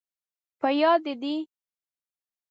په یاد، دې دي؟